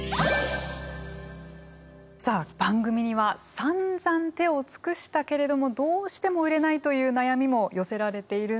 さあ番組にはさんざん手を尽くしたけれどもどうしても売れないという悩みも寄せられているんです。